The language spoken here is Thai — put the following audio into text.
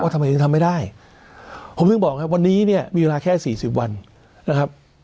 ทำไมถึงทำไม่ได้ผมถึงบอกครับวันนี้เนี่ยมีเวลาแค่สี่สิบวันนะครับ